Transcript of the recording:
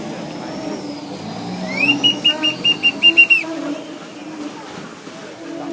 สวัสดีครับทุกคน